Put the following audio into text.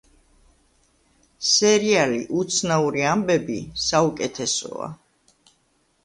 სერიალი უცნაური ამბები საუკეთსოა